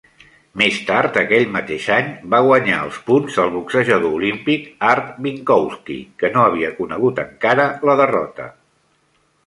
Més tard aquell mateix any, va guanyar als punts el boxejador olímpic Art Binkowski, que no havia conegut encara la derrota.